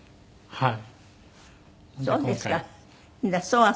はい。